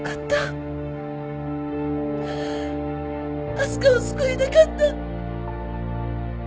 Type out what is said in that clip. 明日香を救いたかった。